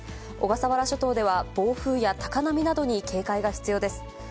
小笠原諸島では、暴風や高波などに警戒が必要です。